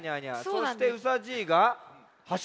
そしてうさじいが「はしるうた」。